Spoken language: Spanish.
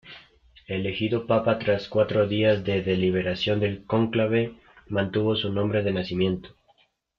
Elegido Papa tras cuatro días de deliberación del cónclave, mantuvo su nombre de nacimiento.